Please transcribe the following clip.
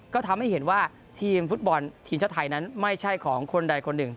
ก็ทำให้เห็นว่าทีมฟุตบอลทีมชาติไทยนั้นไม่ใช่ของคนใดคนหนึ่ง